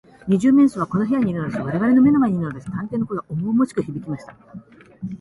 「二十面相はこの部屋にいるのです。われわれの目の前にいるのです」探偵の声がおもおもしくひびきました。